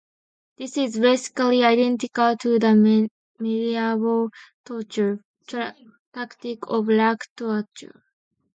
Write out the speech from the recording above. This is basically identical to the medieval torture tactic of "rack torture".